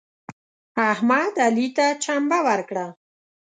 احمد علي ته چمبه ورکړه.